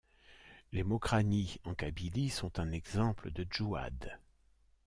Les Mokrani en Kabylie sont un exemple de djouads.